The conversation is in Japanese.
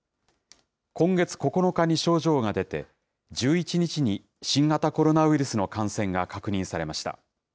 今月９日に症状が出て、１１日に新型コロナウイルスの感染が確認されました。